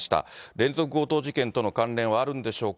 連続強盗事件との関連はあるんでしょうか。